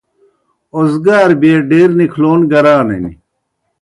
اوزگار بیے ڈیر نِکھلون گرانِن۔